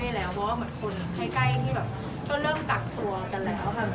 เพราะว่าแบบคนใกล้พวกนี้เริ่มตักตัวกันแล้ว